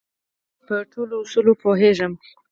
په ټولو اصولو پوهېږم.